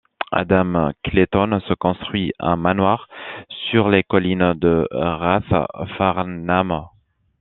Adam Clayton se construit un manoir sur les collines de Rathfarnham.